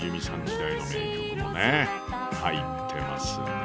時代の名曲もね入ってますね。